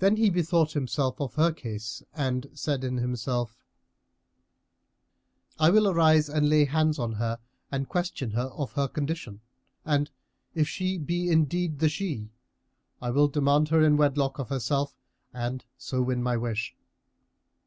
Then he bethought himself of her case and said in himself, "I will arise and lay hands on her and question her of her condition; and, if she be indeed the she, I will demand her in wedlock of herself and so win my wish."